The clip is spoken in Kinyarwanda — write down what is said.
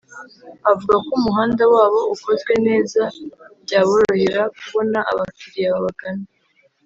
avuga ko umuhanda wabo ukozwe neza byaborohera kubona abakiriya babagana